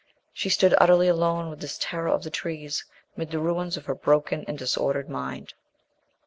She stood utterly alone with this terror of the trees ... mid the ruins of her broken and disordered mind.